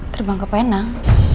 terbang ke penang